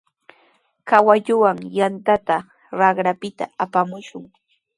Kawalluwan yantata raqrapita apamushun.